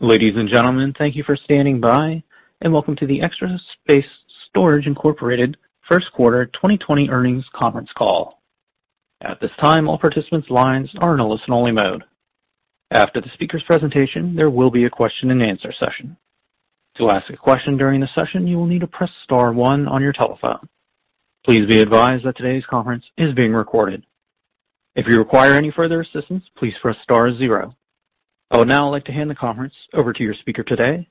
Ladies and gentlemen, thank you for standing by, and welcome to the Extra Space Storage Incorporated First Quarter 2020 Earnings Conference Call. At this time, all participants' lines are in a listen-only mode. After the speaker's presentation, there will be a question and answer session. To ask a question during the session, you will need to press star one on your telephone. Please be advised that today's conference is being recorded. If you require any further assistance, please press star zero. I would now like to hand the conference over to your speaker today,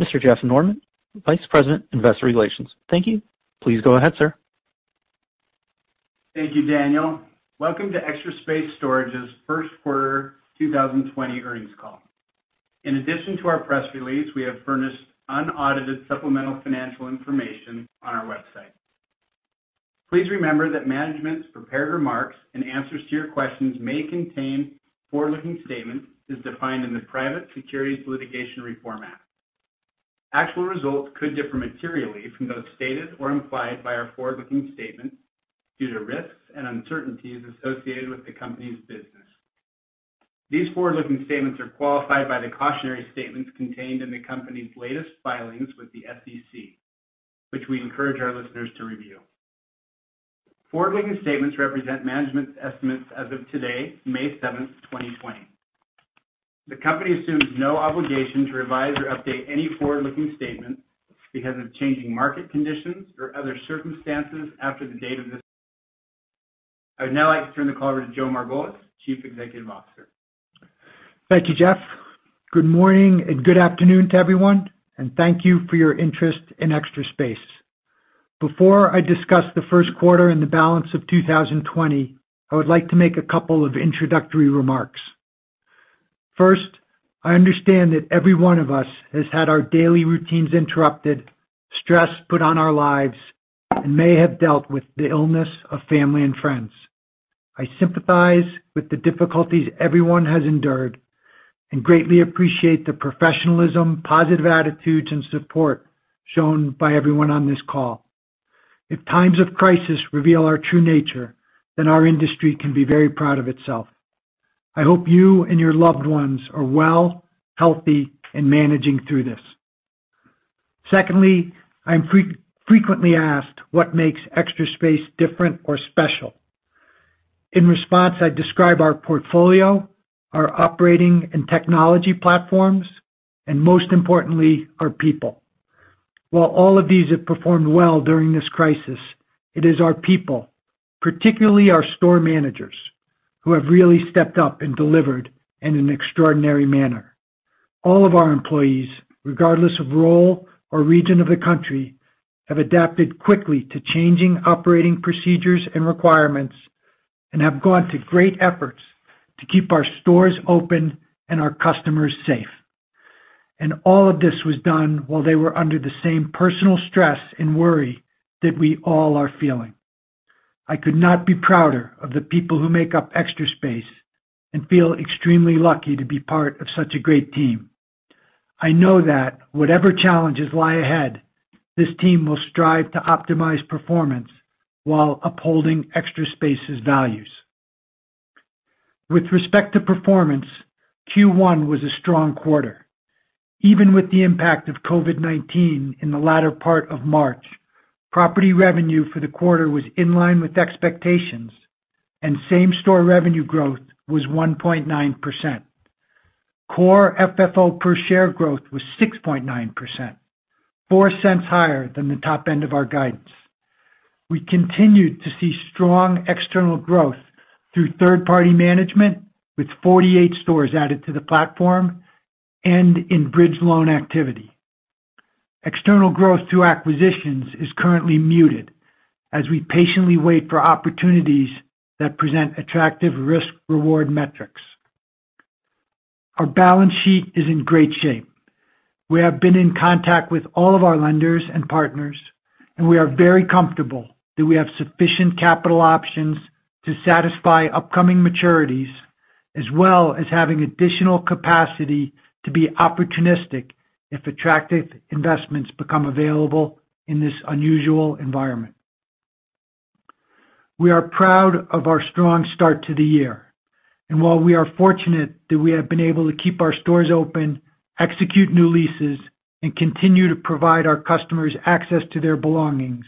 Mr. Jeff Norman, Vice President, Investor Relations. Thank you. Please go ahead, sir. Thank you, Daniel. Welcome to Extra Space Storage's First Quarter 2020 Earnings Call. In addition to our press release, we have furnished unaudited supplemental financial information on our website. Please remember that management's prepared remarks and answers to your questions may contain forward-looking statements as defined in the Private Securities Litigation Reform Act. Actual results could differ materially from those stated or implied by our forward-looking statements due to risks and uncertainties associated with the company's business. These forward-looking statements are qualified by the cautionary statements contained in the company's latest filings with the SEC, which we encourage our listeners to review. Forward-looking statements represent management's estimates as of today, May 7, 2020. The company assumes no obligation to revise or update any forward-looking statements because of changing market conditions or other circumstances after the date of this. I would now like to turn the call over to Joe Margolis, Chief Executive Officer. Thank you, Jeff. Good morning and good afternoon to everyone, and thank you for your interest in Extra Space. Before I discuss the first quarter and the balance of 2020, I would like to make a couple of introductory remarks. First, I understand that every one of us has had our daily routines interrupted, stress put on our lives, and may have dealt with the illness of family and friends. I sympathize with the difficulties everyone has endured and greatly appreciate the professionalism, positive attitudes, and support shown by everyone on this call. If times of crisis reveal our true nature, then our industry can be very proud of itself. I hope you and your loved ones are well, healthy, and managing through this. Secondly, I'm frequently asked what makes Extra Space different or special. In response, I describe our portfolio, our operating and technology platforms, and most importantly, our people. While all of these have performed well during this crisis, it is our people, particularly our store managers, who have really stepped up and delivered in an extraordinary manner. All of our employees, regardless of role or region of the country, have adapted quickly to changing operating procedures and requirements and have gone to great efforts to keep our stores open and our customers safe. All of this was done while they were under the same personal stress and worry that we all are feeling. I could not be prouder of the people who make up Extra Space and feel extremely lucky to be part of such a great team. I know that whatever challenges lie ahead, this team will strive to optimize performance while upholding Extra Space's values. With respect to performance, Q1 was a strong quarter. Even with the impact of COVID-19 in the latter part of March, property revenue for the quarter was in line with expectations, and same-store revenue growth was 1.9%. Core FFO per share growth was 6.9%, $0.04 higher than the top end of our guidance. We continued to see strong external growth through third-party management, with 48 stores added to the platform and in bridge loan activity. External growth through acquisitions is currently muted as we patiently wait for opportunities that present attractive risk-reward metrics. Our balance sheet is in great shape. We have been in contact with all of our lenders and partners, and we are very comfortable that we have sufficient capital options to satisfy upcoming maturities, as well as having additional capacity to be opportunistic if attractive investments become available in this unusual environment. We are proud of our strong start to the year. While we are fortunate that we have been able to keep our stores open, execute new leases, and continue to provide our customers access to their belongings,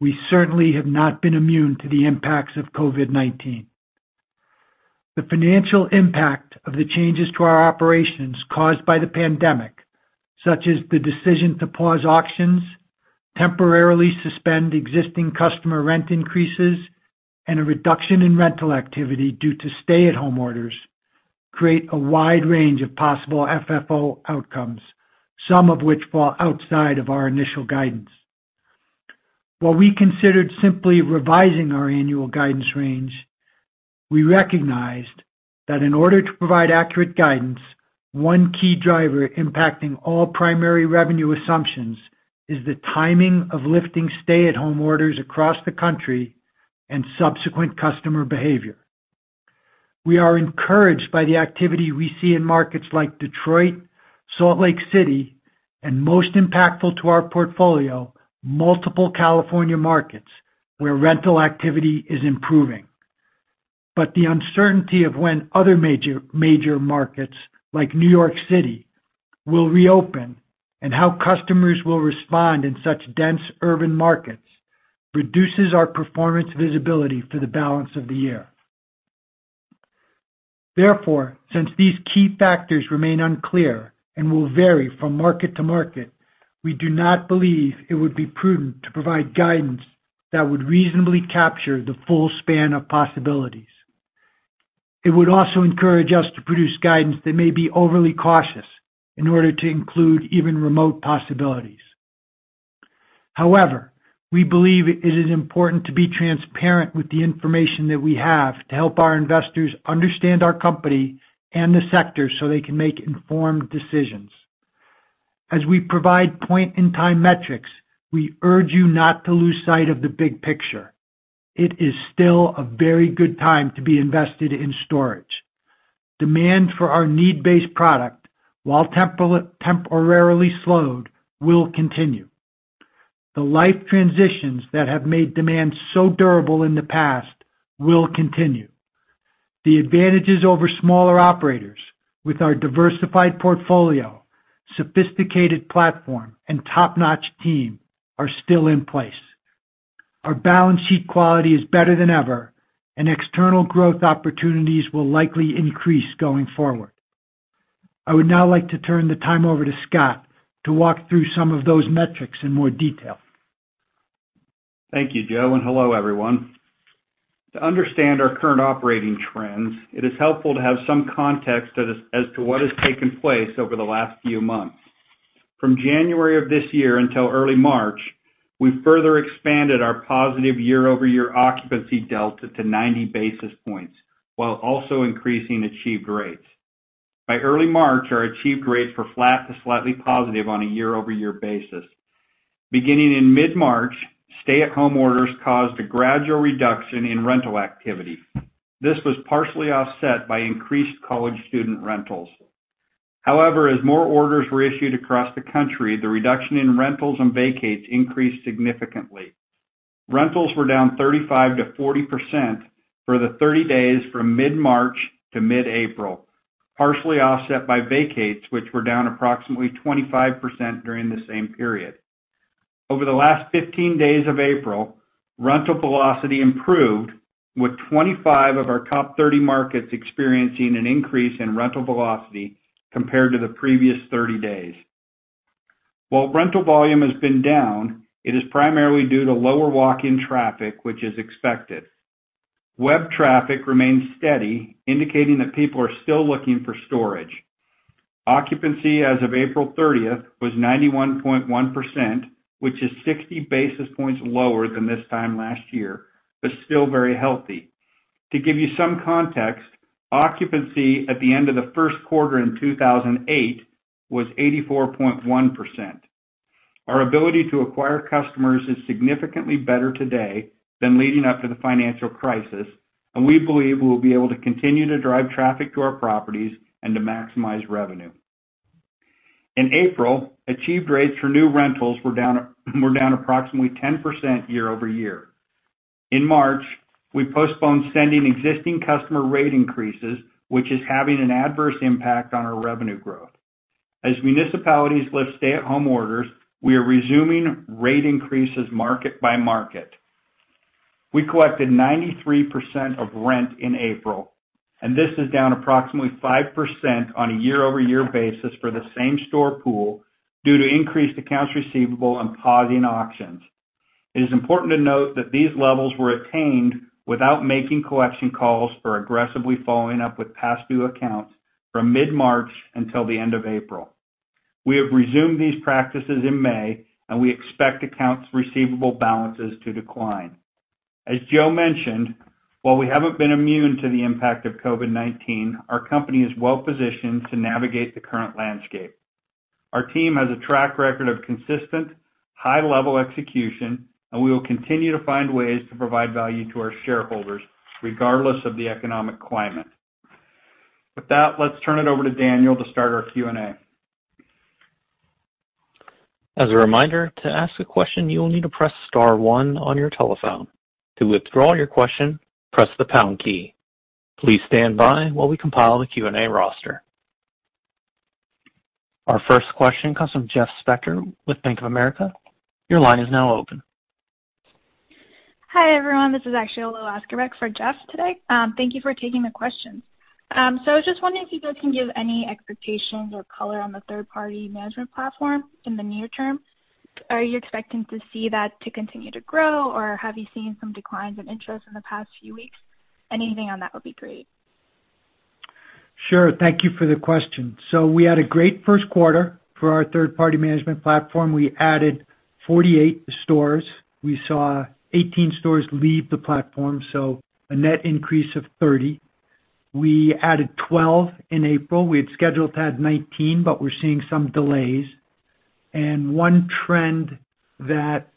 we certainly have not been immune to the impacts of COVID-19. The financial impact of the changes to our operations caused by the pandemic, such as the decision to pause auctions, temporarily suspend existing customer rent increases, and a reduction in rental activity due to stay-at-home orders, create a wide range of possible FFO outcomes, some of which fall outside of our initial guidance. While we considered simply revising our annual guidance range, we recognized that in order to provide accurate guidance, one key driver impacting all primary revenue assumptions is the timing of lifting stay-at-home orders across the country and subsequent customer behavior. We are encouraged by the activity we see in markets like Detroit, Salt Lake City, and most impactful to our portfolio, multiple California markets where rental activity is improving. The uncertainty of when other major markets, like New York City, will reopen and how customers will respond in such dense urban markets, reduces our performance visibility for the balance of the year. Therefore, since these key factors remain unclear and will vary from market to market, we do not believe it would be prudent to provide guidance that would reasonably capture the full span of possibilities. It would also encourage us to produce guidance that may be overly cautious in order to include even remote possibilities. However, we believe it is important to be transparent with the information that we have to help our investors understand our company and the sector so they can make informed decisions. As we provide point-in-time metrics, we urge you not to lose sight of the big picture. It is still a very good time to be invested in storage. Demand for our need-based product, while temporarily slowed, will continue. The life transitions that have made demand so durable in the past will continue. The advantages over smaller operators with our diversified portfolio, sophisticated platform, and top-notch team are still in place. Our balance sheet quality is better than ever, and external growth opportunities will likely increase going forward. I would now like to turn the time over to Scott to walk through some of those metrics in more detail. Thank you, Joe. Hello, everyone. To understand our current operating trends, it is helpful to have some context as to what has taken place over the last few months. From January of this year until early March, we further expanded our positive year-over-year occupancy delta to 90 basis points while also increasing achieved rates. By early March, our achieved rates were flat to slightly positive on a year-over-year basis. Beginning in mid-March, stay-at-home orders caused a gradual reduction in rental activity. This was partially offset by increased college student rentals. As more orders were issued across the country, the reduction in rentals and vacates increased significantly. Rentals were down 35%-40% for the 30 days from mid-March to mid-April, partially offset by vacates, which were down approximately 25% during the same period. Over the last 15 days of April, rental velocity improved, with 25 of our top 30 markets experiencing an increase in rental velocity compared to the previous 30 days. While rental volume has been down, it is primarily due to lower walk-in traffic, which is expected. Web traffic remains steady, indicating that people are still looking for storage. Occupancy as of April 30th was 91.1%, which is 60 basis points lower than this time last year, but still very healthy. To give you some context, occupancy at the end of the first quarter in 2008 was 84.1%. Our ability to acquire customers is significantly better today than leading up to the financial crisis, and we believe we will be able to continue to drive traffic to our properties and to maximize revenue. In April, achieved rates for new rentals were down approximately 10% year-over-year. In March, we postponed sending existing customer rate increases, which is having an adverse impact on our revenue growth. As municipalities lift stay-at-home orders, we are resuming rate increases market by market. This is down approximately 5% on a year-over-year basis for the same-store pool due to increased accounts receivable and pausing auctions. It is important to note that these levels were attained without making collection calls or aggressively following up with past-due accounts from mid-March until the end of April. We have resumed these practices in May, and we expect accounts receivable balances to decline. As Joe mentioned, while we haven't been immune to the impact of COVID-19, our company is well-positioned to navigate the current landscape. Our team has a track record of consistent, high-level execution, and we will continue to find ways to provide value to our shareholders regardless of the economic climate. With that, let's turn it over to Daniel to start our Q&A. As a reminder, to ask a question, you will need to press star one on your telephone. To withdraw your question, press the pound key. Please stand by while we compile the Q&A roster. Our first question comes from Jeff Spector with Bank of America. Your line is now open. Hi, everyone. This is actually Alua Askarbek for Jeff today. Thank you for taking the questions. I was just wondering if you guys can give any expectations or color on the third-party management platform in the near term. Are you expecting to see that to continue to grow, or have you seen some declines in interest in the past few weeks? Anything on that would be great. Sure. Thank you for the question. We had a great first quarter for our third-party management platform. We added 48 stores. We saw 18 stores leave the platform, so a net increase of 30. We added 12 in April. We had scheduled to add 19, but we're seeing some delays. One trend that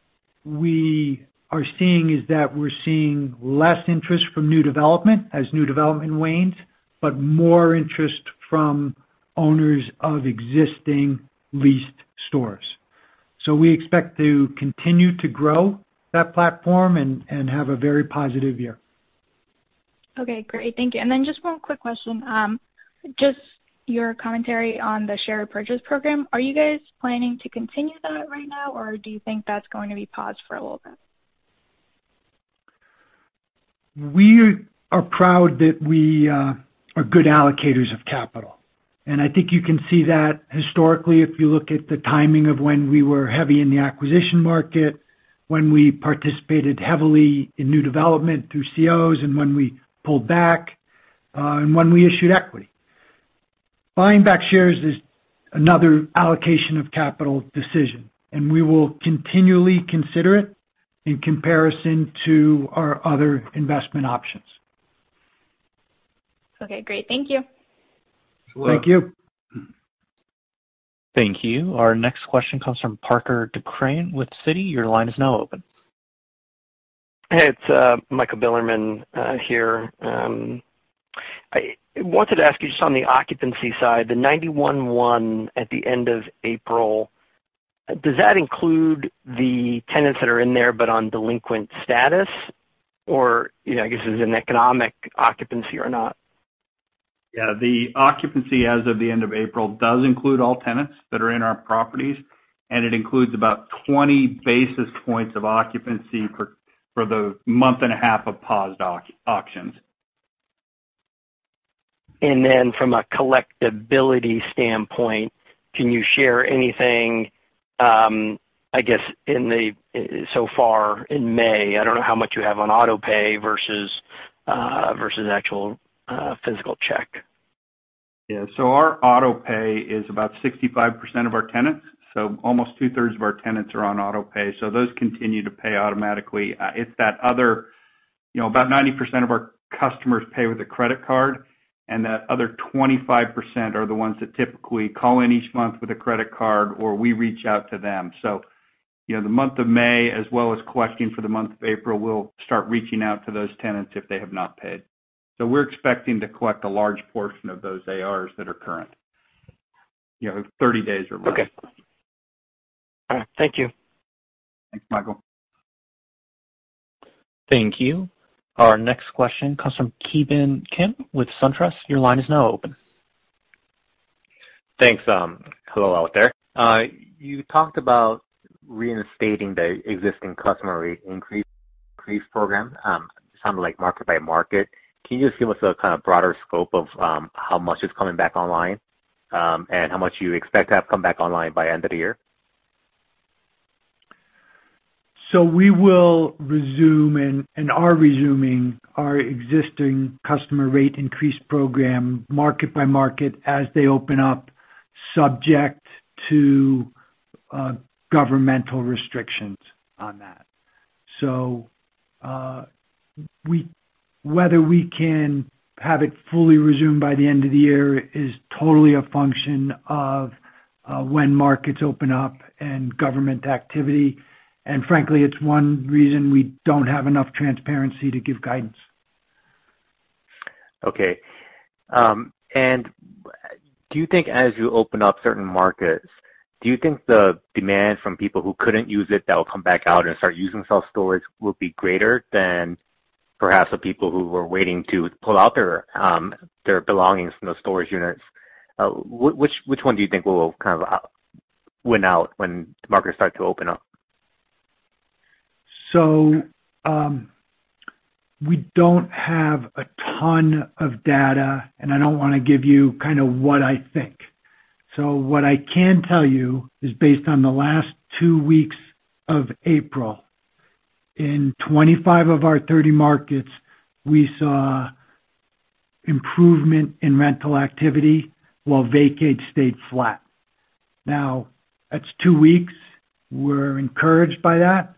we are seeing is that we're seeing less interest from new development as new development wanes, but more interest from owners of existing leased stores. We expect to continue to grow that platform and have a very positive year. Okay, great. Thank you. Just one quick question. Just your commentary on the share purchase program. Are you guys planning to continue that right now, or do you think that's going to be paused for a little bit? We are proud that we are good allocators of capital, and I think you can see that historically, if you look at the timing of when we were heavy in the acquisition market, when we participated heavily in new development through C of Os and when we pulled back, and when we issued equity. Buying back shares is another allocation of capital decision, and we will continually consider it in comparison to our other investment options. Okay, great. Thank you. Thank you. Thank you. Our next question comes from Parker Decraene with Citi. Your line is now open. Hey, it's Michael Bilerman here. I wanted to ask you just on the occupancy side, the 91.1 at the end of April, does that include the tenants that are in there but on delinquent status? I guess this is an economic occupancy or not. Yeah. The occupancy as of the end of April does include all tenants that are in our properties, and it includes about 20 basis points of occupancy for the month and a half of paused auctions. From a collectibility standpoint, can you share anything, I guess, so far in May? I don't know how much you have on auto pay versus actual physical check. Yeah. Our auto pay is about 65% of our tenants. Almost two-thirds of our tenants are on auto pay. Those continue to pay automatically. About 90% of our customers pay with a credit card, and the other 25% are the ones that typically call in each month with a credit card, or we reach out to them. The month of May, as well as collecting for the month of April, we'll start reaching out to those tenants if they have not paid. We're expecting to collect a large portion of those ARs that are current, 30 days or more. Okay. All right. Thank you. Thanks, Michael. Thank you. Our next question comes from Ki Bin Kim with SunTrust. Your line is now open. Thanks. Hello out there. You talked about reinstating the existing customer rate increase program, sounded like market by market. Can you just give us a kind of broader scope of how much is coming back online, and how much you expect to have come back online by end of the year? We will resume, and are resuming our existing customer rate increase program market by market as they open up, subject to governmental restrictions on that. Whether we can have it fully resumed by the end of the year is totally a function of when markets open up and government activity. Frankly, it's one reason we don't have enough transparency to give guidance. Okay. Do you think as you open up certain markets, do you think the demand from people who couldn't use it that will come back out and start using self-storage will be greater than perhaps the people who were waiting to pull out their belongings from those storage units? Which one do you think will kind of win out when the markets start to open up? We don't have a ton of data, and I don't want to give you kind of what I think. What I can tell you is based on the last two weeks of April. In 25 of our 30 markets, we saw improvement in rental activity while vacates stayed flat. That's two weeks. We're encouraged by that,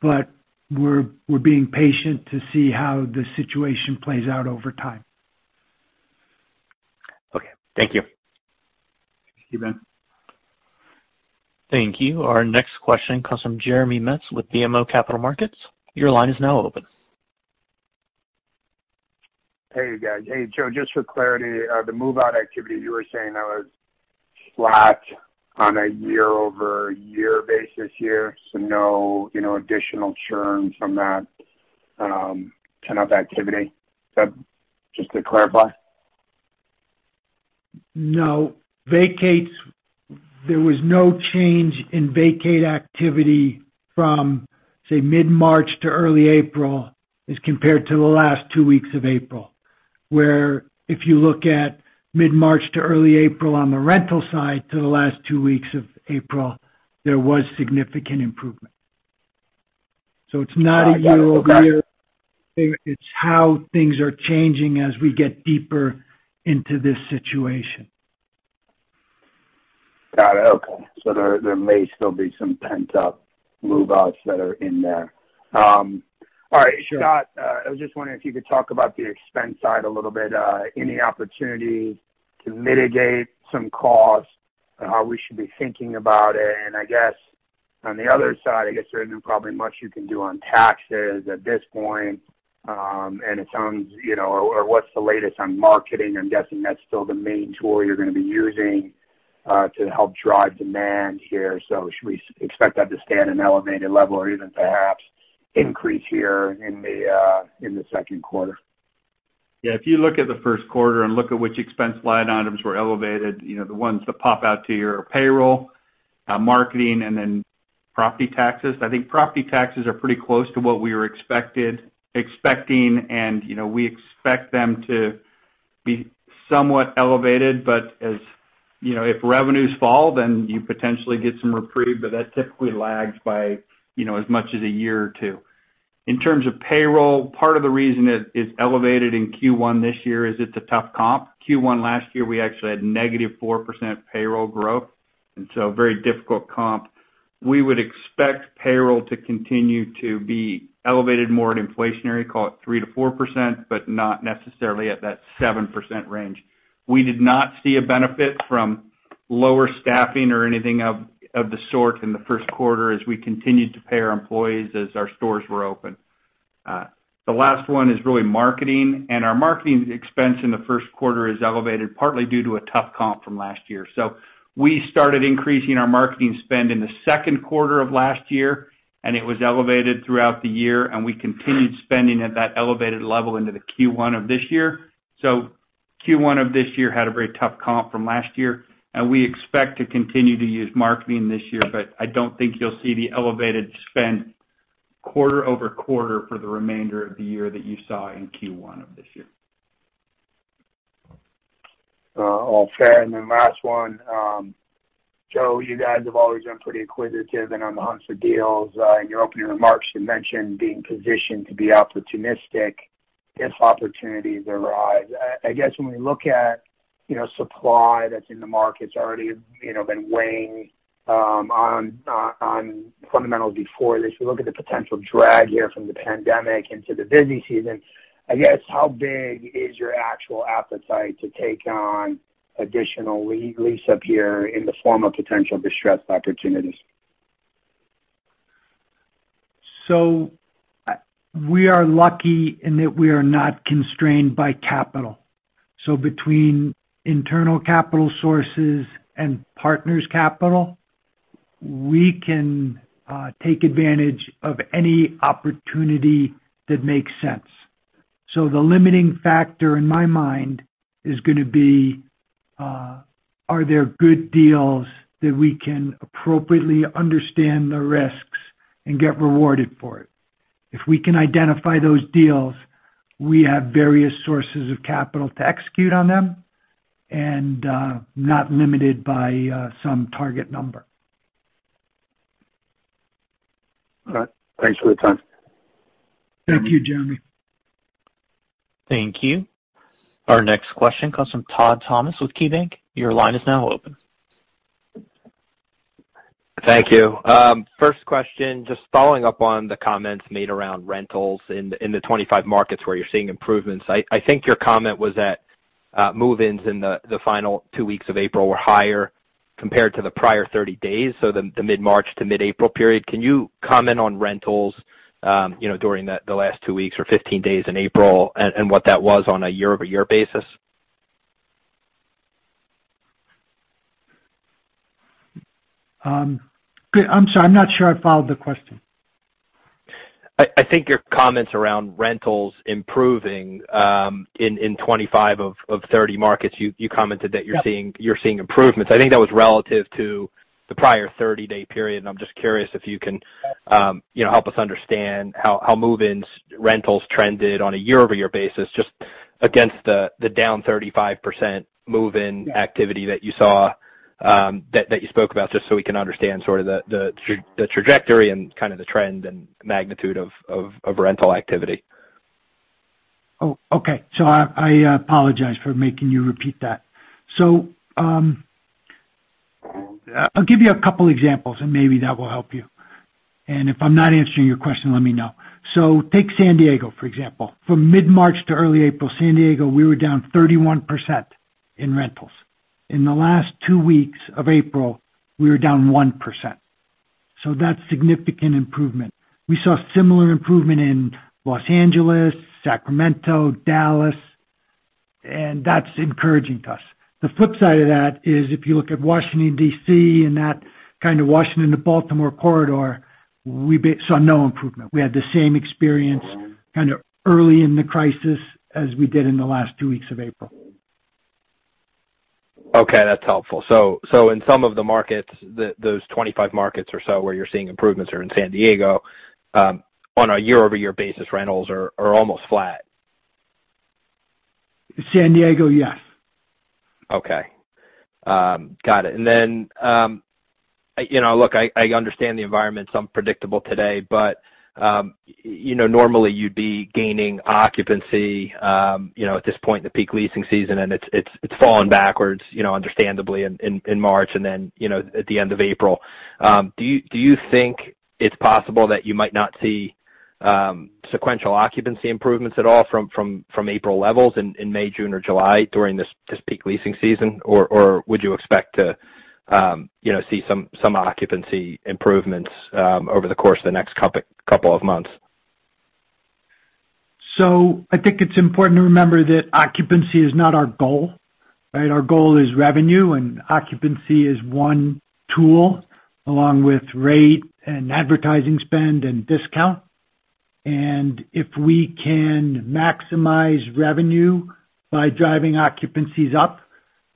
we're being patient to see how the situation plays out over time. Okay. Thank you. Thank you, Ben. Thank you. Our next question comes from Jeremy Metz with BMO Capital Markets. Your line is now open. Hey, guys. Hey, Joe, just for clarity, the move-out activity you were saying that was flat on a year-over-year basis here, so no additional churn from that pent-up activity. Is that just to clarify? No. There was no change in vacate activity from, say, mid-March to early April as compared to the last two weeks of April. Where if you look at mid-March to early April on the rental side to the last two weeks of April, there was significant improvement. It's not a year-over-year. Okay It's how things are changing as we get deeper into this situation. Got it. Okay. There may still be some pent-up move-outs that are in there. Sure. All right. Scott, I was just wondering if you could talk about the expense side a little bit. Any opportunity to mitigate some costs and how we should be thinking about it? I guess on the other side, I guess there isn't probably much you can do on taxes at this point. What's the latest on marketing? I'm guessing that's still the main tool you're going to be using to help drive demand here. Should we expect that to stay at an elevated level or even perhaps increase here in the second quarter? Yeah. If you look at the first quarter and look at which expense line items were elevated, the ones that pop out to you are payroll, marketing, and then property taxes. I think property taxes are pretty close to what we were expecting, and we expect them to be somewhat elevated. If revenues fall, then you potentially get some reprieve, but that typically lags by as much as a year or two. In terms of payroll, part of the reason it is elevated in Q1 this year is it's a tough comp. Q1 last year, we actually had negative 4% payroll growth, and so a very difficult comp. We would expect payroll to continue to be elevated more at inflationary, call it 3%-4%, but not necessarily at that 7% range. We did not see a benefit from lower staffing or anything of the sort in the first quarter as we continued to pay our employees as our stores were open. The last one is really marketing. Our marketing expense in the first quarter is elevated partly due to a tough comp from last year. We started increasing our marketing spend in the second quarter of last year, and it was elevated throughout the year, and we continued spending at that elevated level into the Q1 of this year. Q1 of this year had a very tough comp from last year. We expect to continue to use marketing this year. I don't think you'll see the elevated spend quarter-over-quarter for the remainder of the year that you saw in Q1 of this year. All fair. Last one. Joe, you guys have always been pretty acquisitive and on the hunt for deals. In your opening remarks, you mentioned being positioned to be opportunistic if opportunities arise. I guess when we look at supply that's in the markets already been weighing on fundamentals before this, we look at the potential drag here from the pandemic into the busy season. I guess, how big is your actual appetite to take on additional lease-up here in the form of potential distressed opportunities? We are lucky in that we are not constrained by capital. Between internal capital sources and partners capital, we can take advantage of any opportunity that makes sense. The limiting factor in my mind is going to be, are there good deals that we can appropriately understand the risks and get rewarded for it? If we can identify those deals, we have various sources of capital to execute on them and not limited by some target number. All right. Thanks for the time. Thank you, Jeremy. Thank you. Our next question comes from Todd Thomas with KeyBank. Your line is now open. Thank you. First question, just following up on the comments made around rentals in the 25 markets where you're seeing improvements. I think your comment was that move-ins in the final two weeks of April were higher compared to the prior 30 days, so the mid-March to mid-April period. Can you comment on rentals during the last two weeks or 15 days in April and what that was on a year-over-year basis? I'm sorry. I'm not sure I followed the question. I think your comments around rentals improving in 25 of 30 markets, you commented that you're seeing improvements. I think that was relative to the prior 30-day period. I'm just curious if you can help us understand how move-ins rentals trended on a year-over-year basis, just against the down 35% move-in activity that you spoke about, just so we can understand sort of the trajectory and kind of the trend and magnitude of rental activity. Okay. I apologize for making you repeat that. I'll give you a couple examples, and maybe that will help you. If I'm not answering your question, let me know. Take San Diego, for example. From mid-March to early April, San Diego, we were down 31% in rentals. In the last two weeks of April, we were down 1%. That's significant improvement. We saw similar improvement in Los Angeles, Sacramento, Dallas, and that's encouraging to us. The flip side of that is if you look at Washington, D.C., and that kind of Washington to Baltimore corridor, we saw no improvement. We had the same experience kind of early in the crisis as we did in the last two weeks of April. Okay, that's helpful. In some of the markets, those 25 markets or so where you're seeing improvements are in San Diego, on a year-over-year basis, rentals are almost flat. San Diego, yes. Okay. Got it. Look, I understand the environment's unpredictable today, but normally you'd be gaining occupancy at this point in the peak leasing season, and it's fallen backwards understandably in March and then at the end of April. Do you think it's possible that you might not see sequential occupancy improvements at all from April levels in May, June, or July during this peak leasing season? Would you expect to see some occupancy improvements over the course of the next couple of months? I think it's important to remember that occupancy is not our goal, right? Our goal is revenue, and occupancy is one tool along with rate and advertising spend and discount. If we can maximize revenue by driving occupancies up,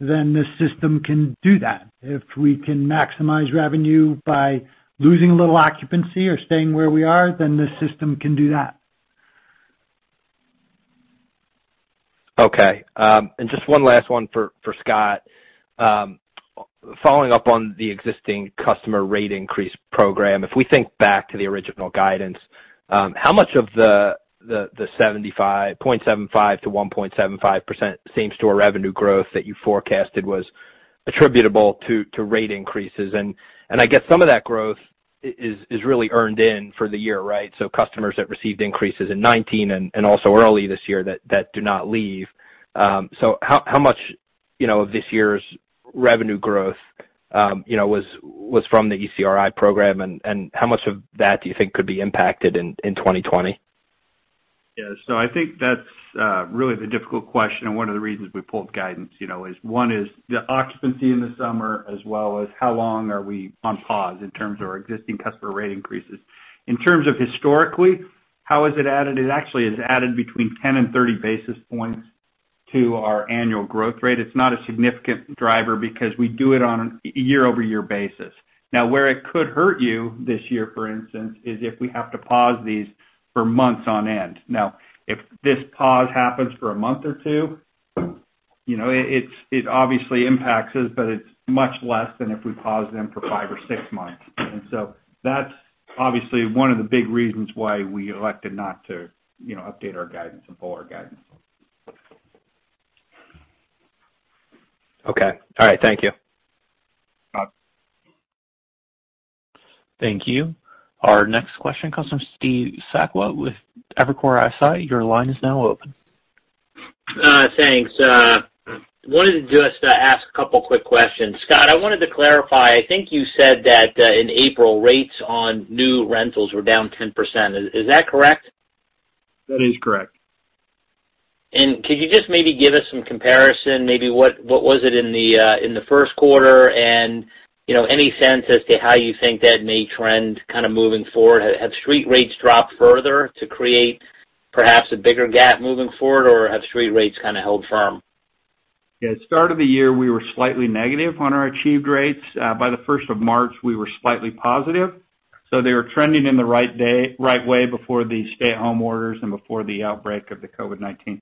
then the system can do that. If we can maximize revenue by losing a little occupancy or staying where we are, then the system can do that. Okay. Just one last one for Scott. Following up on the existing customer rate increase program, if we think back to the original guidance, how much of the 0.75% to 1.75% same-store revenue growth that you forecasted was attributable to rate increases? I guess some of that growth is really earned in for the year, right? Customers that received increases in 2019 and also early this year that do not leave. How much of this year's revenue growth was from the ECRI program and how much of that do you think could be impacted in 2020? I think that's really the difficult question and one of the reasons we pulled guidance. One is the occupancy in the summer as well as how long are we on pause in terms of our existing customer rate increases. In terms of historically, how has it added? It actually has added between 10 and 30 basis points to our annual growth rate. It's not a significant driver because we do it on a year-over-year basis. Where it could hurt you this year, for instance, is if we have to pause these for months on end. If this pause happens for a month or two, it obviously impacts us, but it's much less than if we pause them for five or six months. That's obviously one of the big reasons why we elected not to update our guidance and pull our guidance. Okay. All right. Thank you. Bye. Thank you. Our next question comes from Steve Sakwa with Evercore ISI. Your line is now open. Thanks. I wanted to just ask a couple of quick questions. Scott, I wanted to clarify, I think you said that in April, rates on new rentals were down 10%. Is that correct? That is correct. Could you just maybe give us some comparison, maybe what was it in the first quarter and any sense as to how you think that may trend kind of moving forward? Have street rates dropped further to create perhaps a bigger gap moving forward, or have street rates kind of held firm? Yeah. At the start of the year, we were slightly negative on our achieved rates. By the first of March, we were slightly positive. They were trending in the right way before the stay-at-home orders and before the outbreak of the COVID-19.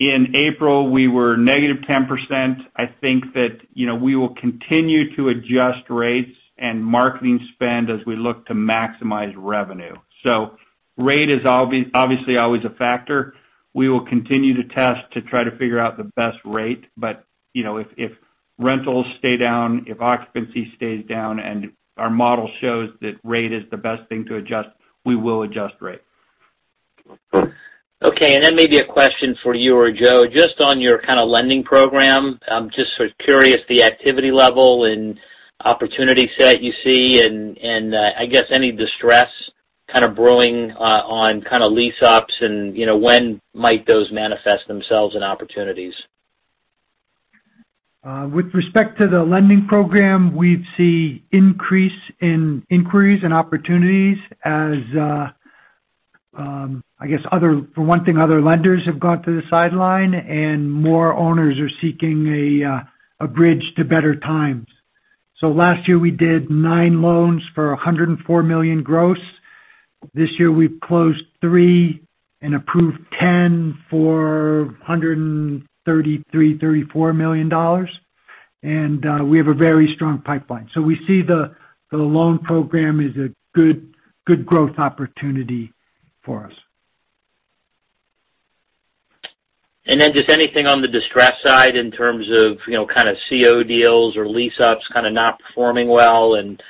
In April, we were negative 10%. I think that we will continue to adjust rates and marketing spend as we look to maximize revenue. Rate is obviously always a factor. We will continue to test to try to figure out the best rate, but if rentals stay down, if occupancy stays down and our model shows that rate is the best thing to adjust, we will adjust rate. Okay, maybe a question for you or Joe, just on your kind of lending program. I'm just sort of curious, the activity level and opportunity set you see and I guess any distress kind of brewing on kind of lease ups and when might those manifest themselves in opportunities? With respect to the lending program, we see increase in inquiries and opportunities as, I guess, for one thing, other lenders have gone to the sideline and more owners are seeking a bridge to better times. Last year we did nine loans for $104 million gross. This year we've closed three and approved 10 for $133, $134 million. We have a very strong pipeline. We see the loan program is a good growth opportunity for us. Just anything on the distress side in terms of kind of C of O deals or lease ups kind of not performing well, and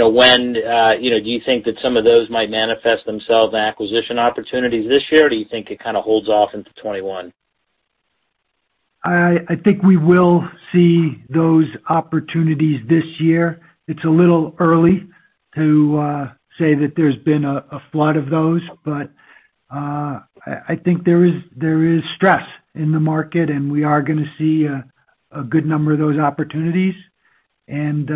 when do you think that some of those might manifest themselves in acquisition opportunities this year? Or do you think it kind of holds off into 2021? I think we will see those opportunities this year. It's a little early to say that there's been a flood of those, but I think there is stress in the market and we are going to see a good number of those opportunities, and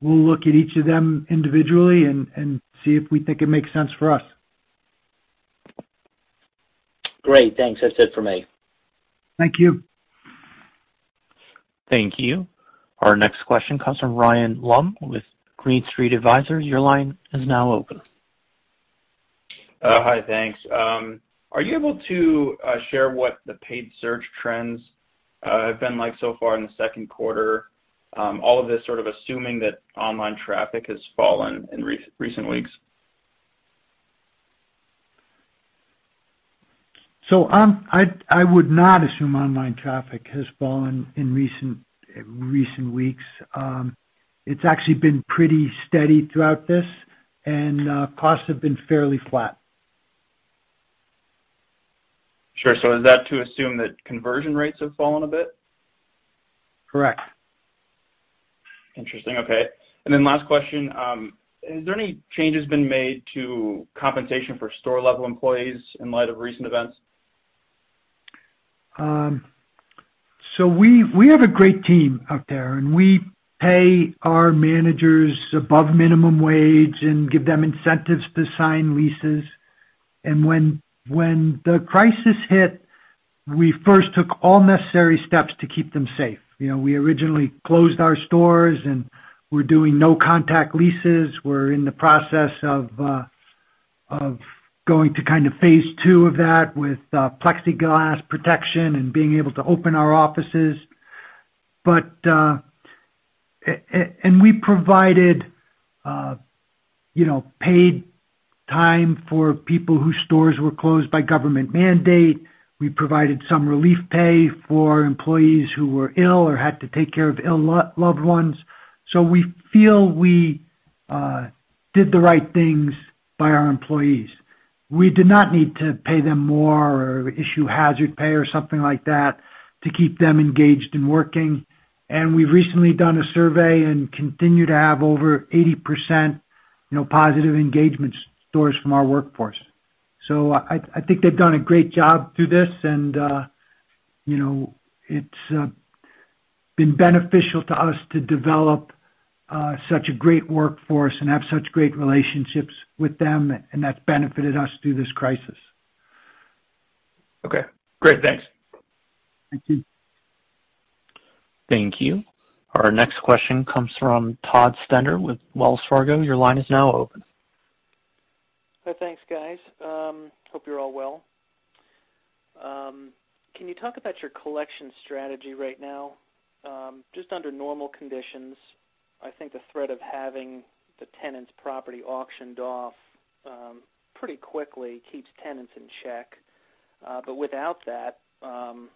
we'll look at each of them individually and see if we think it makes sense for us. Great. Thanks. That's it for me. Thank you. Thank you. Our next question comes from Ryan Lumb with Green Street Advisors. Your line is now open. Hi, thanks. Are you able to share what the paid search trends have been like so far in the second quarter? All of this sort of assuming that online traffic has fallen in recent weeks. I would not assume online traffic has fallen in recent weeks. It's actually been pretty steady throughout this, and costs have been fairly flat. Sure. Is that to assume that conversion rates have fallen a bit? Correct. Interesting. Okay. Last question, has there any changes been made to compensation for store-level employees in light of recent events? We have a great team out there, and we pay our managers above minimum wage and give them incentives to sign leases. When the crisis hit, we first took all necessary steps to keep them safe. We originally closed our stores, and we're doing no-contact leases. We're in the process of going to kind of phase 2 of that with plexiglass protection and being able to open our offices. We provided paid time for people whose stores were closed by government mandate. We provided some relief pay for employees who were ill or had to take care of ill loved ones. We feel we did the right things by our employees. We did not need to pay them more or issue hazard pay or something like that to keep them engaged and working. We've recently done a survey and continue to have over 80% positive engagement stores from our workforce. I think they've done a great job through this, and it's been beneficial to us to develop such a great workforce and have such great relationships with them, and that's benefited us through this crisis. Okay, great. Thanks. Thank you. Thank you. Our next question comes from Todd Stender with Wells Fargo. Your line is now open. Thanks, guys. Hope you're all well. Can you talk about your collection strategy right now? Under normal conditions, I think the threat of having the tenant's property auctioned off pretty quickly keeps tenants in check. Without that,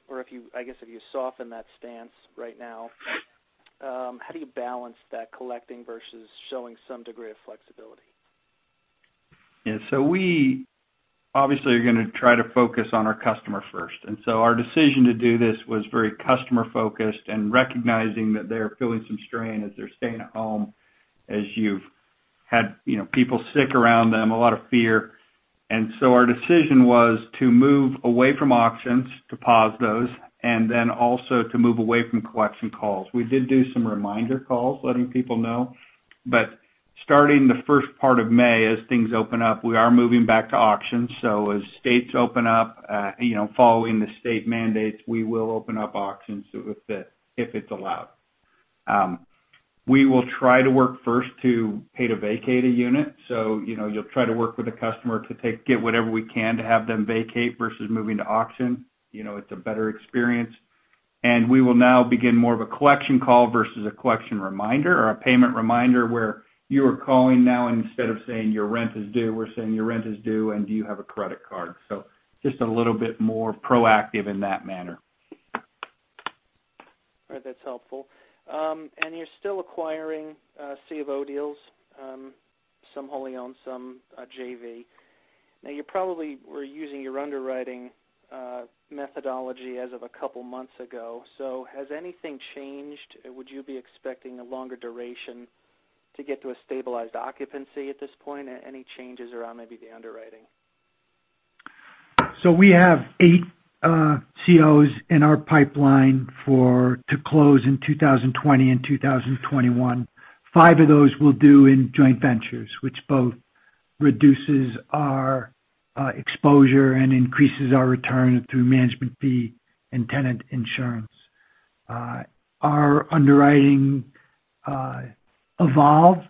or if you, I guess, if you soften that stance right now, how do you balance that collecting versus showing some degree of flexibility? Yeah. We obviously are going to try to focus on our customer first. Our decision to do this was very customer-focused and recognizing that they're feeling some strain as they're staying at home, as you've had people sick around them, a lot of fear. Our decision was to move away from auctions, to pause those, and then also to move away from collection calls. We did do some reminder calls letting people know. Starting the first part of May, as things open up, we are moving back to auctions. As states open up, following the state mandates, we will open up auctions if it's allowed. We will try to work first to pay to vacate a unit. You'll try to work with a customer to get whatever we can to have them vacate versus moving to auction. It's a better experience. We will now begin more of a collection call versus a collection reminder or a payment reminder where you are calling now, instead of saying your rent is due, we're saying your rent is due, and do you have a credit card? Just a little bit more proactive in that manner. All right, that's helpful. You're still acquiring C of O deals, some wholly owned, some JV. Now, you probably were using your underwriting methodology as of a couple of months ago. Has anything changed? Would you be expecting a longer duration to get to a stabilized occupancy at this point? Any changes around maybe the underwriting? We have 8 COs in our pipeline to close in 2020 and 2021. 5 of those we'll do in joint ventures, which both reduces our exposure and increases our return through management fee and tenant insurance. Our underwriting evolved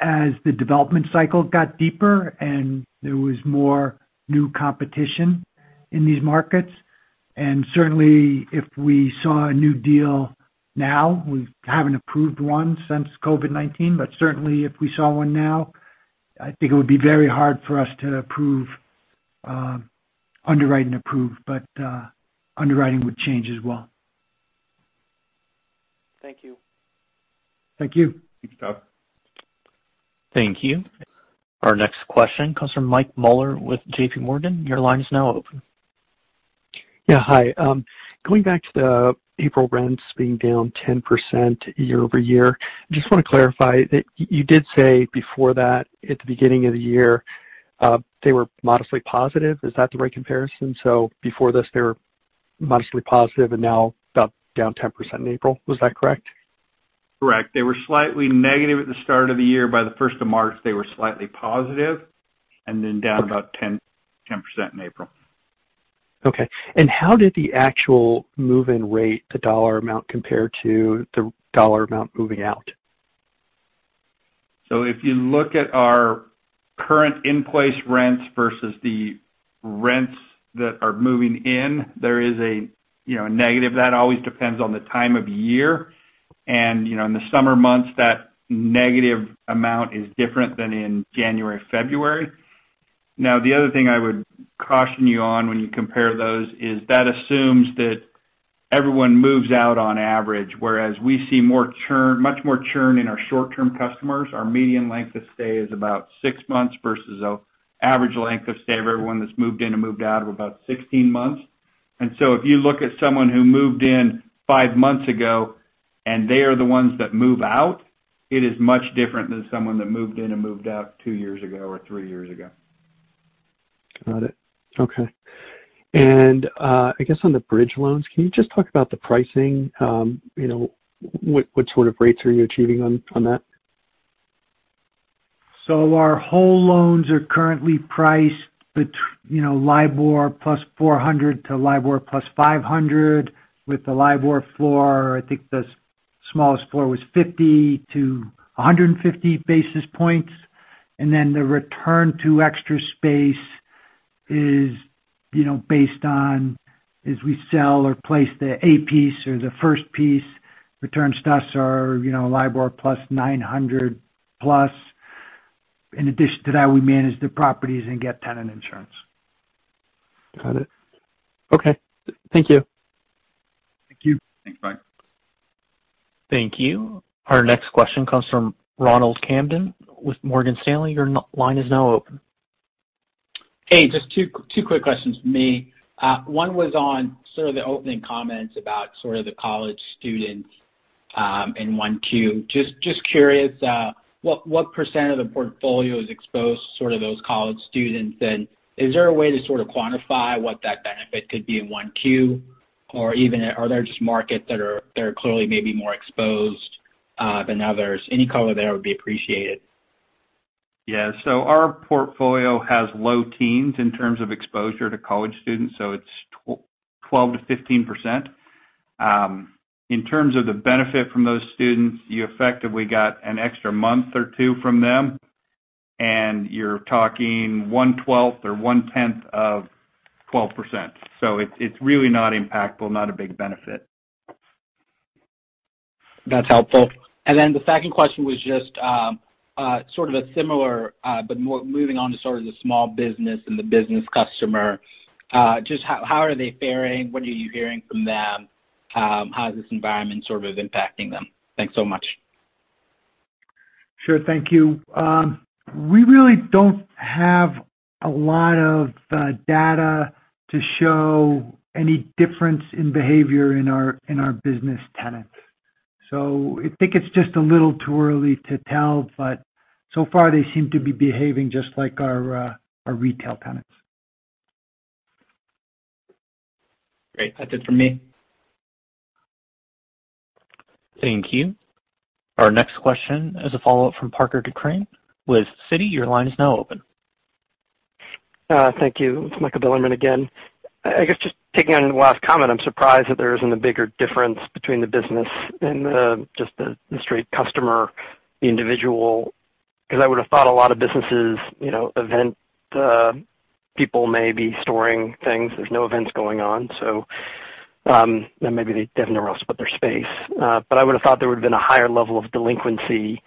as the development cycle got deeper and there was more new competition in these markets. Certainly if we saw a new deal now, we haven't approved one since COVID-19, but certainly if we saw one now, I think it would be very hard for us to underwrite and approve. Underwriting would change as well. Thank you. Thank you. Thanks, Todd. Thank you. Our next question comes from Mike Mueller with JP Morgan. Your line is now open. Yeah. Hi. Going back to the April rents being down 10% year-over-year, I just want to clarify that you did say before that at the beginning of the year, they were modestly positive. Is that the right comparison? Before this, they were modestly positive and now down 10% in April. Was that correct? Correct. They were slightly negative at the start of the year. By the first of March, they were slightly positive and then down about 10% in April. Okay. How did the actual move-in rate, the dollar amount compare to the dollar amount moving out? If you look at our current in-place rents versus the rents that are moving in, there is a negative. That always depends on the time of year. In the summer months, that negative amount is different than in January, February. The other thing I would caution you on when you compare those is that assumes that everyone moves out on average, whereas we see much more churn in our short-term customers. Our median length of stay is about six months versus the average length of stay of everyone that's moved in and moved out of about 16 months. If you look at someone who moved in five months ago and they are the ones that move out, it is much different than someone that moved in and moved out two years ago or three years ago. Got it. Okay. I guess on the bridge loans, can you just talk about the pricing? What sort of rates are you achieving on that? Our whole loans are currently priced between LIBOR plus 400 to LIBOR plus 500 with the LIBOR floor, I think the smallest floor was 50 to 150 basis points. The return to Extra Space is based on as we sell or place the A piece or the first piece, returns to us are LIBOR plus 900 plus. In addition to that, we manage the properties and get tenant insurance. Got it. Okay. Thank you. Thank you. Thanks. Bye. Thank you. Our next question comes from Ronald Kamden with Morgan Stanley. Your line is now open. Hey, just two quick questions from me. One was on sort of the opening comments about sort of the college students in 1Q. Just curious, what % of the portfolio is exposed to sort of those college students? Is there a way to sort of quantify what that benefit could be in 1Q? Are there just markets that are clearly maybe more exposed than others? Any color there would be appreciated. Yeah. Our portfolio has low teens in terms of exposure to college students, it's 12%-15%. In terms of the benefit from those students, you effectively got an extra month or two from them, and you're talking one twelfth or one tenth of 12%. It's really not impactful, not a big benefit. That's helpful. The second question was just sort of a similar but more moving on to sort of the small business and the business customer. Just how are they faring? What are you hearing from them? How is this environment sort of impacting them? Thanks so much. Sure. Thank you. We really don't have a lot of data to show any difference in behavior in our business tenants. I think it's just a little too early to tell, but so far they seem to be behaving just like our retail tenants. Great. That's it from me. Thank you. Our next question is a follow-up from Parker DeCraene with Citi. Your line is now open. Thank you. It's Michael Bilerman again. I guess just taking on the last comment, I'm surprised that there isn't a bigger difference between the business and just the straight customer individual, because I would have thought a lot of businesses, event people may be storing things. There's no events going on. Maybe they have nowhere else but their space. I would have thought there would have been a higher level of delinquency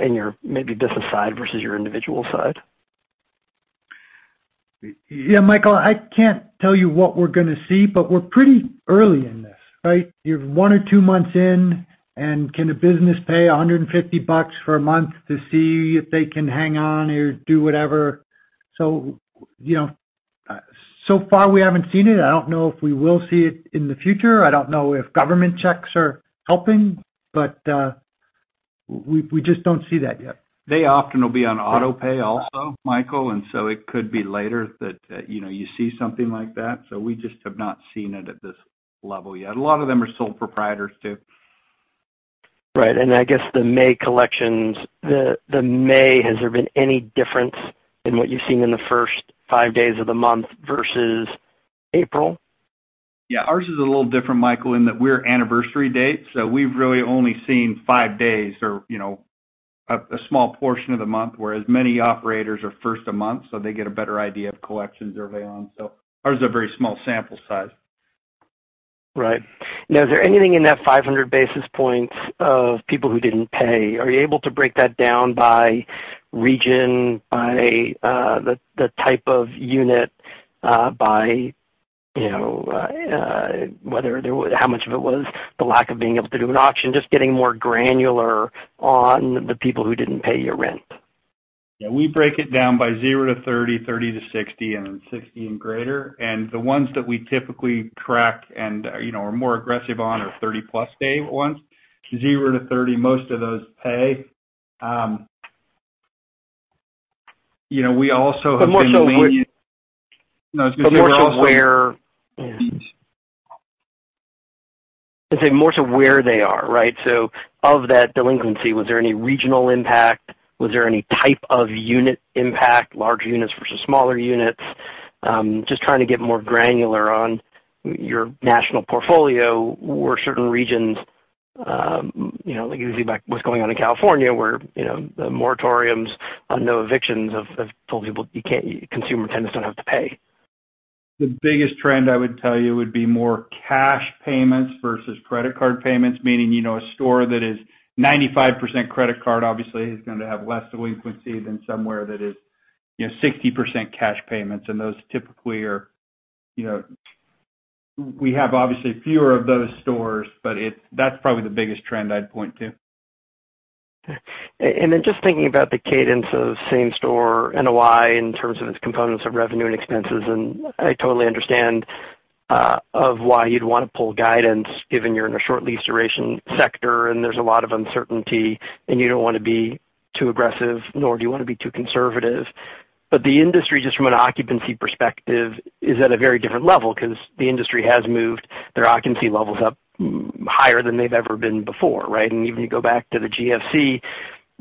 in your maybe business side versus your individual side. Michael, I can't tell you what we're going to see, but we're pretty early in this, right? You're one or two months in, can a business pay $150 for a month to see if they can hang on or do whatever? So far we haven't seen it. I don't know if we will see it in the future. I don't know if government checks are helping, we just don't see that yet. They often will be on auto pay also, Michael, and so it could be later that you see something like that. We just have not seen it at this level yet. A lot of them are sole proprietors, too. Right. I guess the May collections, has there been any difference in what you've seen in the first five days of the month versus April? Yeah, ours is a little different, Michael, in that we're anniversary dates, so we've really only seen five days or a small portion of the month, whereas many operators are first a month, so they get a better idea of collections early on. Ours is a very small sample size. Right. Is there anything in that 500 basis points of people who didn't pay? Are you able to break that down by region, by the type of unit, by how much of it was the lack of being able to do an auction? Just getting more granular on the people who didn't pay you rent. Yeah, we break it down by 0 to 30 to 60, and then 60 and greater. The ones that we typically track and are more aggressive on are 30-plus day ones. 0 to 30, most of those pay. We also have been leaning- More so where they are, right? Of that delinquency, was there any regional impact? Was there any type of unit impact, larger units versus smaller units? Just trying to get more granular on your national portfolio, were certain regions, like obviously what's going on in California where the moratoriums, no evictions of told people consumer tenants don't have to pay. The biggest trend I would tell you would be more cash payments versus credit card payments, meaning a store that is 95% credit card obviously is going to have less delinquency than somewhere that is 60% cash payments. We have obviously fewer of those stores, but that's probably the biggest trend I'd point to. Just thinking about the cadence of same-store NOI in terms of its components of revenue and expenses, I totally understand of why you'd want to pull guidance given you're in a short lease duration sector and there's a lot of uncertainty, and you don't want to be too aggressive, nor do you want to be too conservative. The industry, just from an occupancy perspective, is at a very different level because the industry has moved their occupancy levels up higher than they've ever been before, right? Even you go back to the GFC,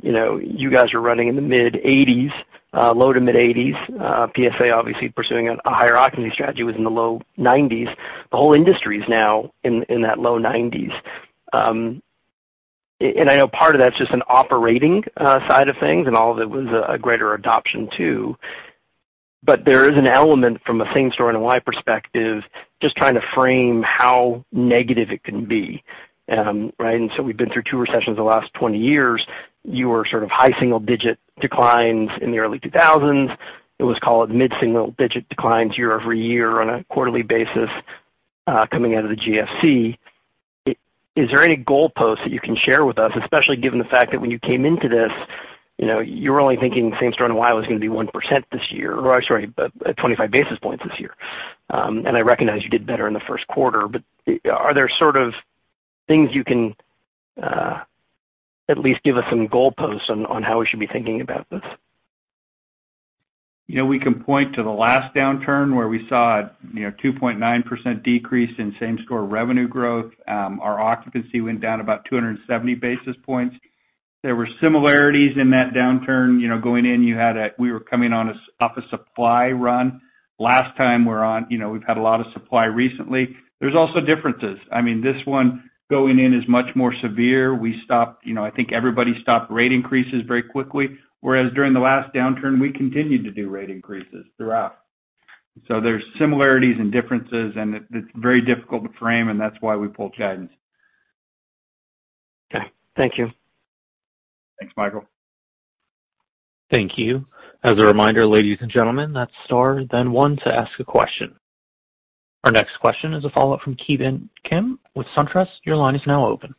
you guys are running in the mid eighties, low to mid eighties. PSA obviously pursuing a higher occupancy strategy was in the low nineties. The whole industry is now in that low nineties. I know part of that's just an operating side of things and all of it was a greater adoption too. There is an element from a same-store NOI perspective, just trying to frame how negative it can be. Right? We've been through two recessions in the last 20 years. You were sort of high single-digit declines in the early 2000s. It was called mid-single digit declines year-over-year on a quarterly basis coming out of the GFC. Is there any goalpost that you can share with us, especially given the fact that when you came into this, you were only thinking same-store NOI was going to be 1% this year, or sorry, 25 basis points this year. I recognize you did better in the first quarter, but are there sort of things you can at least give us some goalposts on how we should be thinking about this? We can point to the last downturn where we saw a 2.9% decrease in same-store revenue growth. Our occupancy went down about 270 basis points. There were similarities in that downturn. Going in, we were coming off a supply run. Last time around, we've had a lot of supply recently. There's also differences. I mean, this one going in is much more severe. I think everybody stopped rate increases very quickly, whereas during the last downturn, we continued to do rate increases throughout. There's similarities and differences, and it's very difficult to frame, and that's why we pulled guidance. Okay. Thank you. Thanks, Michael. Thank you. As a reminder, ladies and gentlemen, that's star then one to ask a question. Our next question is a follow-up from Ki Bin Kim with SunTrust. Your line is now open.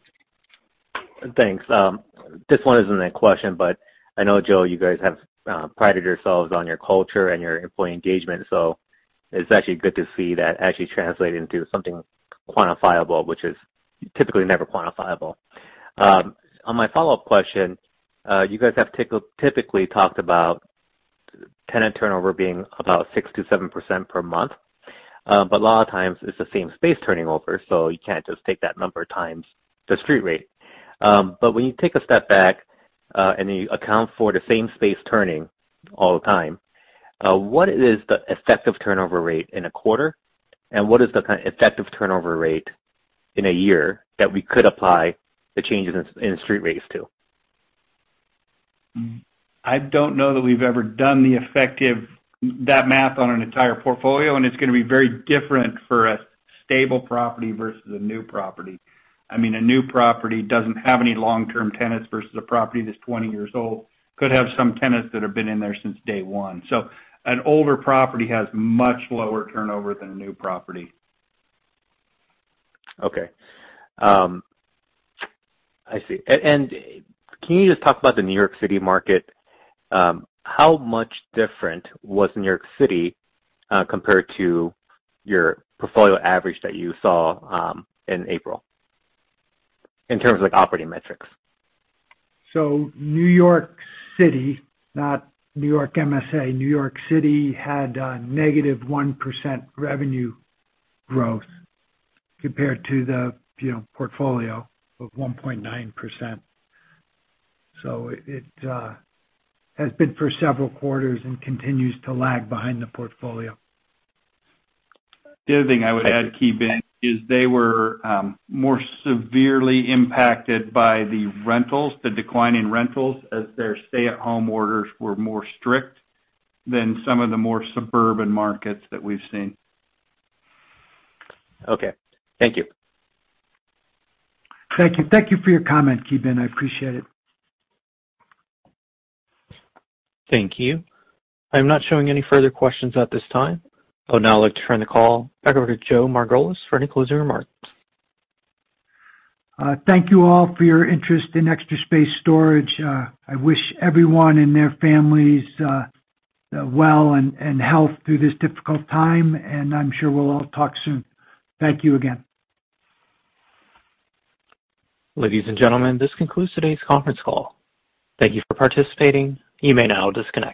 Thanks. This one isn't a question, but I know, Joe, you guys have prided yourselves on your culture and your employee engagement, so it is actually good to see that actually translating to something quantifiable, which is typically never quantifiable. On my follow-up question, you guys have typically talked about tenant turnover being about 6%-7% per month, but a lot of times it is the same space turning over, so you cannot just take that number times the street rate. When you take a step back, and you account for the same space turning all the time, what is the effective turnover rate in a quarter, and what is the kind of effective turnover rate in a year that we could apply the changes in street rates to? I don't know that we've ever done that math on an entire portfolio. It's going to be very different for a stable property versus a new property. I mean, a new property doesn't have any long-term tenants versus a property that's 20 years old, could have some tenants that have been in there since day one. An older property has much lower turnover than a new property. Okay. I see. Can you just talk about the New York City market? How much different was New York City compared to your portfolio average that you saw in April in terms of operating metrics? New York City, not New York MSA, New York City had a -1% revenue growth compared to the portfolio of 1.9%. It has been for several quarters and continues to lag behind the portfolio. The other thing I would add, Ki Bin, is they were more severely impacted by the rentals, the decline in rentals, as their stay-at-home orders were more strict than some of the more suburban markets that we've seen. Okay. Thank you. Thank you. Thank you for your comment, Ki Bin. I appreciate it. Thank you. I'm not showing any further questions at this time. I would now like to turn the call back over to Joe Margolis for any closing remarks. Thank you all for your interest in Extra Space Storage. I wish everyone and their families well and health through this difficult time, and I'm sure we'll all talk soon. Thank you again. Ladies and gentlemen, this concludes today's conference call. Thank you for participating. You may now disconnect.